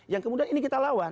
yang kemudian ini kita lawan